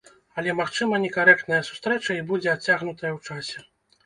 Але, магчыма, некарэктная сустрэча і будзе адцягнутая ў часе.